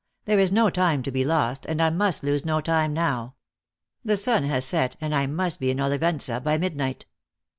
"There is no time to be lost, and I must lose no time now. The sun has set, and I must be in Olivenca by mid night."